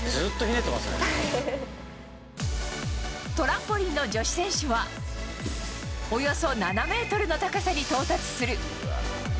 トランポリンの女子選手はおよそ７ｍの高さに到達する。